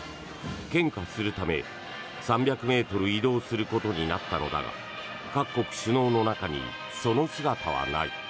献花するため３００ｍ移動することになったのだが各国首脳の中にその姿はない。